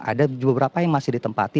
ada beberapa yang masih ditempati